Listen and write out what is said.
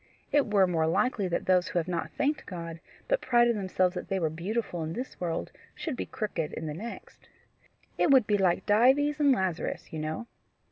It were more likely that those who have not thanked God, but prided themselves that they were beautiful in this world, should be crooked in the next. It would be like Dives and Lazarus, you know.